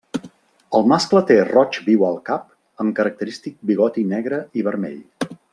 El mascle té roig viu al cap, amb característic bigoti negre i vermell.